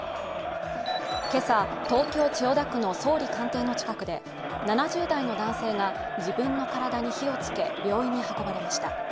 今朝、東京・千代田区の総理官邸の近くで７０代の男性が自分の体に火をつけ病院に運ばれました。